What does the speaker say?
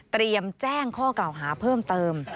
เตรียมแจ้งข้อกล่าวหาเพิ่มเติม